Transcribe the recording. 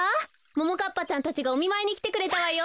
ももかっぱちゃんたちがおみまいにきてくれたわよ。